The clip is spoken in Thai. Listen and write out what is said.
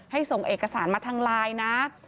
ส่งเอกสารมาทางไลน์นะ